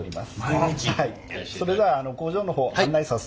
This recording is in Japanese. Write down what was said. それでは工場の方案内させていただきます。